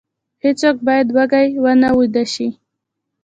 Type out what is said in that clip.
هیڅوک باید وږی ونه ویده شي.